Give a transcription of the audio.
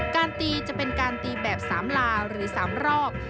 การตีจะเป็นการตีแบบ๓ลาหรือ๓รอบ